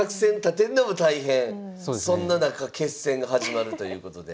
そんな中決戦が始まるということで。